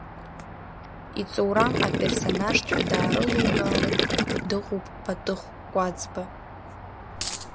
Иҵоурам аперсонажцәа даарылукаартә дыҟоуп Патыхә Кәаӡба.